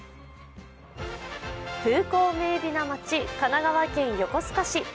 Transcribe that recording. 風光明媚な街・神奈川県横須賀市。